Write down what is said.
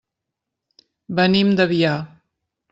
Venim d'Avià.